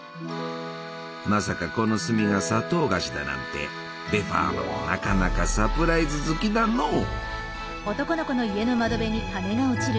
まさかこの炭が砂糖菓子だなんてベファーナもなかなかサプライズ好きだのう！